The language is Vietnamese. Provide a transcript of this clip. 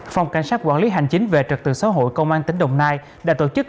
phòng cảnh sát quản lý hành chính về trật tự xã hội công an tỉnh đồng nai đã tổ chức